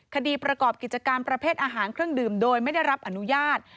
คดีประกอบกิจการประเภทอาหารเครื่องดื่มโดยไม่ได้รับอนุญาต